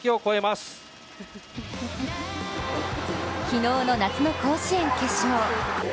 昨日の夏の甲子園決勝。